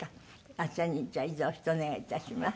あちらにじゃあ移動してお願い致します。